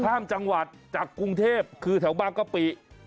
ข้ามจังหวัดจากกรุงเทพคือแถวบางกะปิ